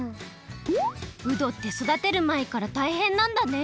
うどってそだてるまえからたいへんなんだね。